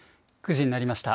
９時になりました。